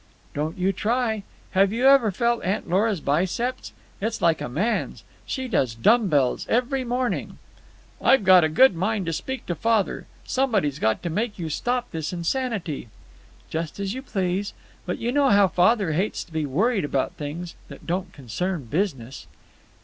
"Don't you try! Have you ever felt Aunt Lora's biceps? It's like a man's. She does dumb bells every morning." "I've a good mind to speak to father. Somebody's got to make you stop this insanity." "Just as you please. But you know how father hates to be worried about things that don't concern business."